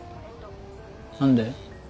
何で？